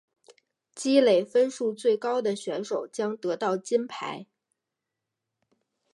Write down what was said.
累积分数最高的选手将得到金牌。